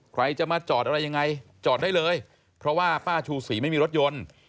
ใครจะมาจอดอะไรยังไงจอดได้เลยเพราะว่าป้าชูศรีไม่มีรถยนต์